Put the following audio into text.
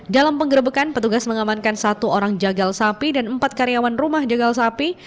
dalam penggerbekan petugas mengamankan satu orang jagal sapi dan empat karyawan rumah jagal sapi